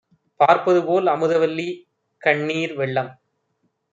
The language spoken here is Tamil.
பார்ப்பதுபோல் அமுதவல்லி கண்ணீர் வெள்ளம்